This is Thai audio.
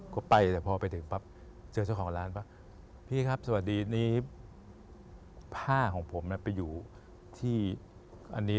ก็ไปแต่พอไปถึงปั๊บเจอเจ้าของร้านป่ะพี่ครับสวัสดีนี้ผ้าของผมไปอยู่ที่อันนี้